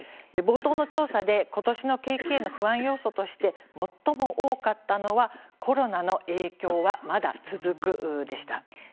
冒頭の調査で、ことしの景気の不安要素として最も多かったのがコロナの影響は、まだ続くでした。